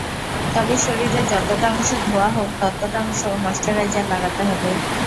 তবে শরীরের যতটা অংশ ধোয়া হক, ততটা অংশে ময়েশ্চারাইজার লাগাতে হবে।